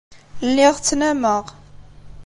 Lliɣ ttnameɣ.